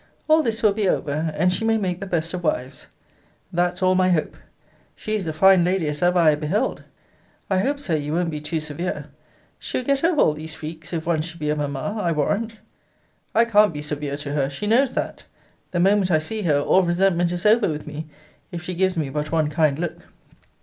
all this will be over, and she may make the best of wives. That's all my hope. She is a fine lady as I ever beheld. I hope, Sir, you won't be too severe. She'll get over all these freaks, if once she be a mamma, I warrant. I can't be severe to her she knows that. The moment I see her, all resentment is over with me, if she gives me but one kind look.